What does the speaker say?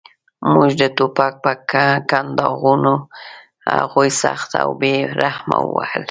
موږ د ټوپک په کنداغونو هغوی سخت او بې رحمه ووهل